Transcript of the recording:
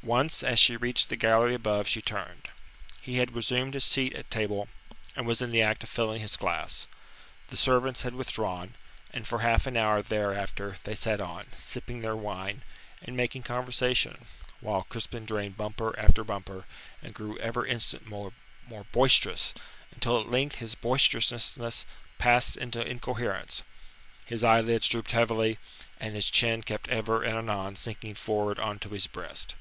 Once as she reached the gallery above she turned. He had resumed his seat at table, and was in the act of filling his glass. The servants had withdrawn, and for half an hour thereafter they sat on, sipping their wine, and making conversation while Crispin drained bumper after bumper and grew every instant more boisterous, until at length his boisterousness passed into incoherence. His eyelids drooped heavily, and his chin kept ever and anon sinking forward on to his breast.